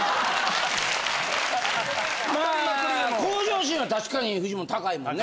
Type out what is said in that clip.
まあ向上心は確かにフジモン高いもんね。